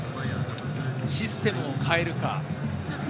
システムを変えるか。